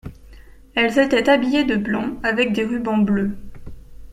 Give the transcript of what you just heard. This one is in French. Elles étaient habillées de blanc avec des rubans bleus.